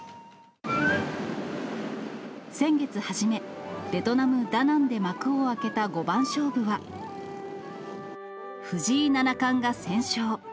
先月初め、ベトナム・ダナンで幕を開けた五番勝負は、藤井七冠が先勝。